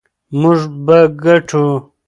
موږ به ګټو.